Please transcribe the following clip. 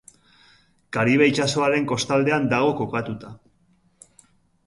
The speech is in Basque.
Karibe itsasoaren kostaldean dago kokatua.